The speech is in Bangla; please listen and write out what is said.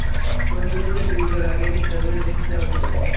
কোনগুলোতে বীর্য লাগিয়েছ সেগুলোর লিষ্ট দিও প্লিজ?